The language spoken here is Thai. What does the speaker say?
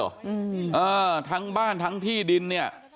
อืมเออทั้งบ้านทั้งที่ดินเนี้ย